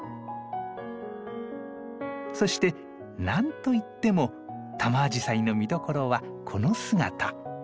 そして何といってもタマアジサイの見どころはこの姿。